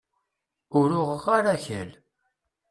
Ur uɣeɣ ara akal.